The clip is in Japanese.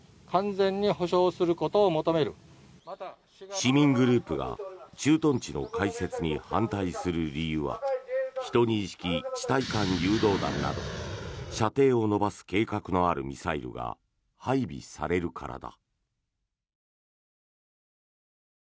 市民グループが駐屯地の開設に反対する理由は１２式地対艦誘導弾など射程を延ばす計画のあるミサイルが配備されるからだ。